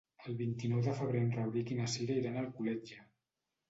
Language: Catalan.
El vint-i-nou de febrer en Rauric i na Cira iran a Alcoletge.